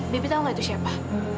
debbie tahu nggak itu siapa